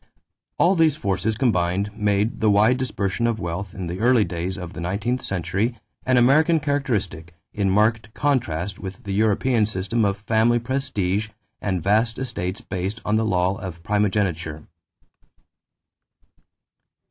All these forces combined made the wide dispersion of wealth, in the early days of the nineteenth century, an American characteristic, in marked contrast with the European system of family prestige and vast estates based on the law of primogeniture.